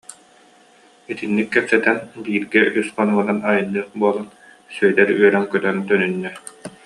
Итинник кэпсэтэн бииргэ үс хонугунан айанныах буолан Сүөдэр үөрэн-көтөн төнүннэ